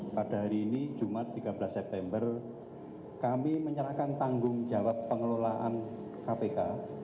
pada hari ini jumat tiga belas september kami menyerahkan tanggung jawab pengelolaan kpk